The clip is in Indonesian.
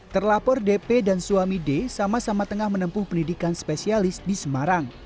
terlapor dp dan suami d sama sama tengah menempuh pendidikan spesialis di semarang